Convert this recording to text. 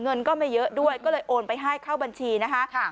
เงินก็ไม่เยอะด้วยก็เลยโอนไปให้เข้าบัญชีนะคะ